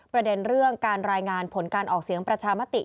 ประเด็นเรื่องการรายงานผลการออกเสียงประชามติ